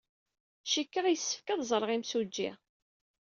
Cikkeɣ yessefk ad ẓreɣ imsujji.